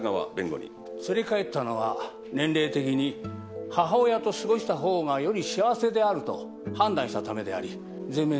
連れ帰ったのは年齢的に母親と過ごしたほうがより幸せであると判断したためであり全面的に闘う。